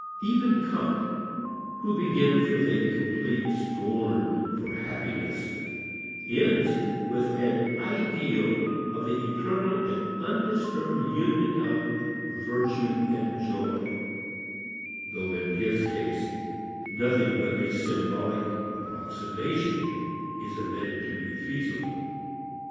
Even Kant who begins with a complete scorn for happiness ends with an "ideal" of the eternal and undisturbed union of virtue and joy, though in his case nothing but a symbolic approximation is admitted to be feasible.